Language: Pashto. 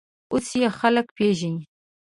اوس یې خلک پېژني.